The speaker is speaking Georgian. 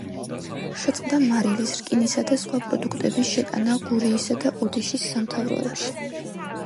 შეწყდა მარილის, რკინისა და სხვა პროდუქტების შეტანა გურიისა და ოდიშის სამთავროებში.